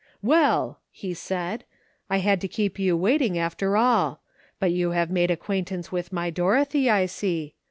" Well," he said, " I had to keep you waiting, after all ; but you have made acquaintance with my Dorothy, I see.